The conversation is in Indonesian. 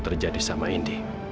terjadi sama indi